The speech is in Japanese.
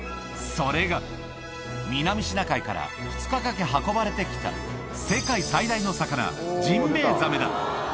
それが、南シナ海から２日かけ、運ばれてきた世界最大の魚、ジンベエザメだ。